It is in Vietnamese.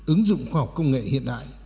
ứng dụng khoa học công nghệ hiện đại